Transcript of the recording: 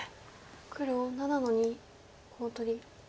黒７の二コウ取り。